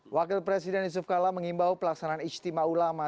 wakil presiden yusuf kalla mengimbau pelaksanaan istimewa ulama